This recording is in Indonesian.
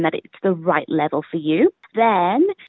dan bahwa itu level yang tepat untuk anda